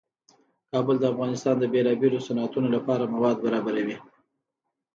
کابل د افغانستان د بیلابیلو صنعتونو لپاره مواد برابروي.